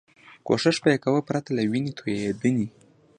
کوښښ به یې کاوه پرته له وینې توېدنې.